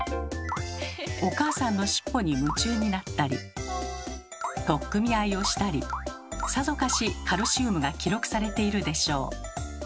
お母さんの尻尾に夢中になったり取っ組み合いをしたりさぞかしカルシウムが記録されているでしょう。